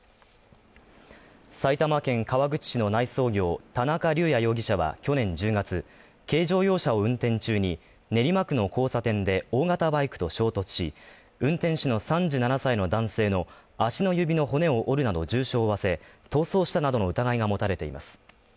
埼玉県川口市の内装業・田中龍也容疑者は去年１０月、軽乗用車を運転中に、練馬区の交差点で、大型バイクと衝突し、運転手の３７歳の男性の足の指の骨を折るなど重傷を負わせ逃走したなどの疑いが持たれています。